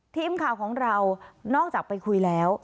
ทีมข่าวของเรานอกจากไปคุยแล้ว